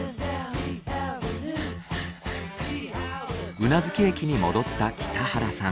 宇奈月駅に戻った北原さん。